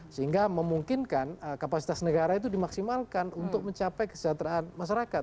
sehingga memungkinkan kapasitas negara itu dimaksimalkan untuk mencapai kesejahteraan masyarakat